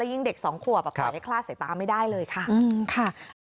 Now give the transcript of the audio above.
แล้วยิ่งเด็ก๒ขวบขอให้คลาดสายตามไม่ได้เลยค่ะ